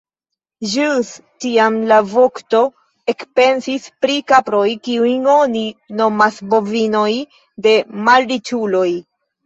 Ĵus tiam la vokto ekpensis pri kaproj, kiujn oni nomas bovinoj de malriĉuloj.